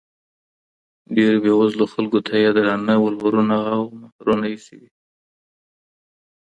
ډيرو بيوزلو خلکو ته ئې درانه ولورونه او مهرونه ايښي وي